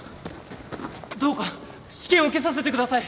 どうか試験を受けさせてください！